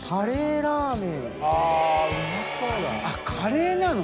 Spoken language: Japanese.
あっカレーなの？